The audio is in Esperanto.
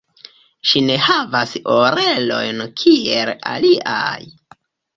Ŝi ne havas orelojn kiel aliaj.